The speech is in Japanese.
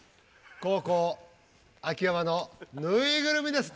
後攻秋山のぬいぐるみです。